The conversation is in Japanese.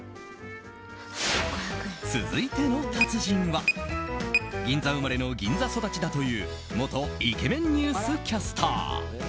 続いての達人は銀座生まれの銀座育ちだという元イケメンニュースキャスター。